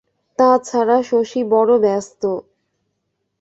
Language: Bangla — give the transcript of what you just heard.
তা ছাড়া শশী বড় ব্যস্ত।